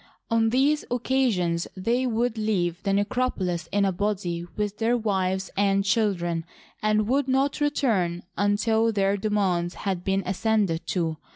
On these occa sions they would leave the necropolis in a body with their wives and children, and would not return until their de mands had been acceded to.